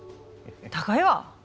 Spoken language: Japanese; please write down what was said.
高いわ！